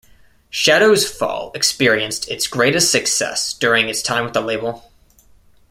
Shadows Fall experienced its greatest success during its time with the label.